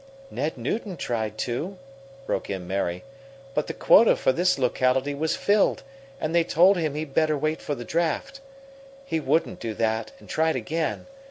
"Ned Newton tried to," broke in Mary, "but the quota for this locality was filled, and they told him he'd better wait for the draft. He wouldn't do that and tried again.